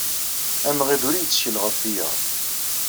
Amɣid ur yettkel ɣef wiyaḍ.